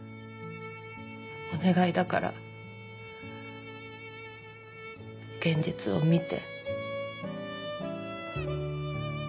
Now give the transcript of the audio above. お願いだから現実を見て。